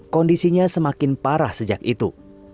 kondisinya semakin parah sejak itu